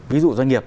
ví dụ doanh nghiệp